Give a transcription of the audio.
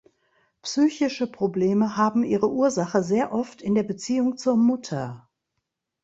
Psychische Probleme haben ihre Ursache sehr oft in der Beziehung zur Mutter.